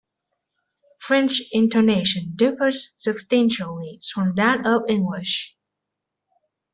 French intonation differs substantially from that of English.